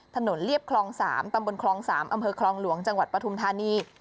เรียบคลอง๓ตำบลคลอง๓อำเภอคลองหลวงจังหวัดปฐุมธานี